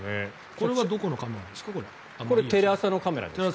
これはどこのカメラなんですか？